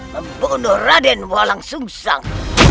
membunuh raden walang sung sang